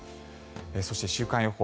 そして、週間予報。